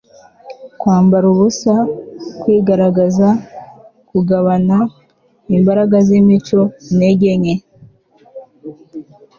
kwambara ubusa, kwigaragaza, kugabana, imbaraga-z-imico, intege nke